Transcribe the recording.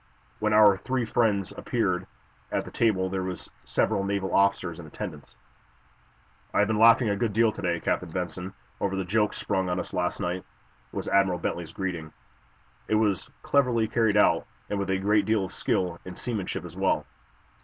When our three friends appeared at table there were several naval officers in attendance. "I have been laughing a good deal to day, Captain Benson, over the joke sprung on us last night," was Admiral Bentley's greeting. "It was cleverly carried out, and with a great deal of skill in seamanship as well."